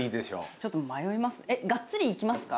ちょっと迷います。